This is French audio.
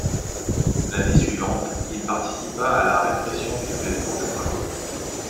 L'année suivante, il participa à la répression du soulèvement de Cracovie.